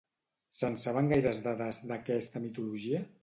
Se'n saben gaires dades, d'aquesta mitologia?